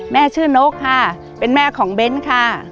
แม่ชื่อนกค่ะเป็นแม่ของเบ้นค่ะ